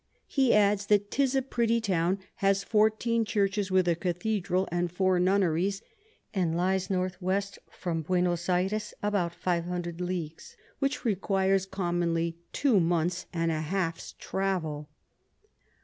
He adds, that 'tis a pretty Town, has fourteen Churches with a Cathedral, and four Nunneries, and lies North west from Buenos Ayres about 500 Leagues, which requires commonly two months and a half's Travel.